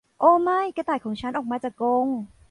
โอ้ไม่กระต่ายของฉันออกมาจากกรง !